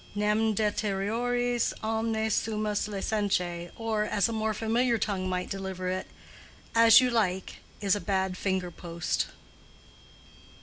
Nam deteriores omnes sumus licentiæ, or, as a more familiar tongue might deliver it, _"As you like" is a bad finger post.